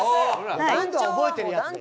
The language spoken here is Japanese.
今度は覚えてるやつだよ